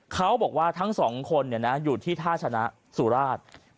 เขาบอกว่าทั้งสองคนอยู่ที่ท่าชนะสุราช